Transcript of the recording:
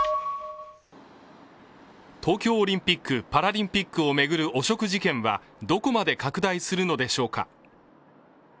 東京オリンピック・パラリンピックを巡る汚職事件はどこまで拡大するのでしょうか。